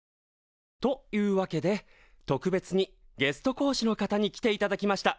というわけで特別にゲスト講師の方に来ていただきました。